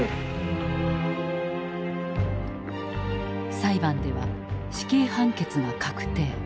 裁判では死刑判決が確定。